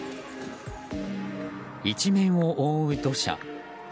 一面を覆う土砂。